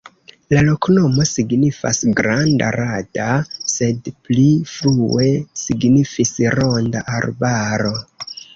La loknomo signifas: granda-rada, sed pli frue signifis ronda arbaro.